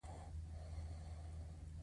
موږ د بشر عقلاني شهود کشف کوو.